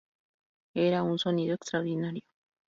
Era un sonido extraordinario.